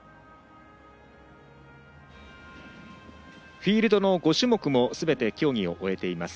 フィールドの５種目もすべて競技を終えています。